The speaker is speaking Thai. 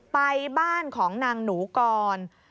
ไปบ้านของนางหนูกร